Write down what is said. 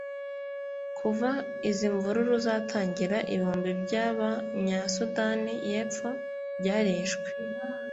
Kuva izi mvururu zatangira ibihumbi by’Abanya-Sudani y’Epfo byarishwe